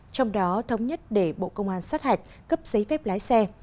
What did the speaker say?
trong đó thống nhất để bộ công an sát hạch cấp giấy phép lái xe